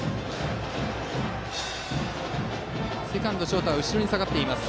セカンド、ショートは後ろに下がっています。